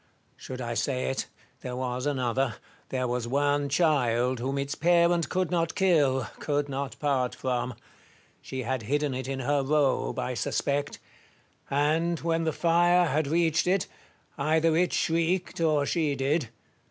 Should I say it ? there was another : there was one child whom its parent could not kill, could not part from. She had hidden it in her robe, I 25 66 IMA GIN A R V CON VERSA TIONS. suspect ; and, when the fire had reached it, either it shrieked or she did.